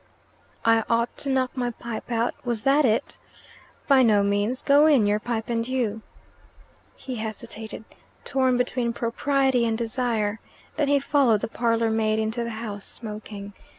"I ought to knock my pipe out? Was that it?" "By no means. Go in, your pipe and you." He hesitated, torn between propriety and desire. Then he followed the parlour maid into the house smoking.